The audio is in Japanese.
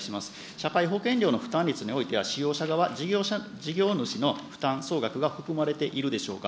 社会保険料の負担率においては、使用者側、事業主の負担総額が含まれているでしょうか。